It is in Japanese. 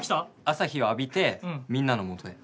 「朝日を浴びてみんなのもとへ」。